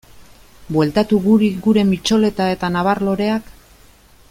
Bueltatu guri geure mitxoleta eta nabar-loreak?